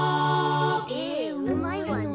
絵うまいわね。